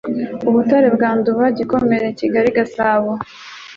I Butare bwa Nduba Gikomero Kigali Gasabo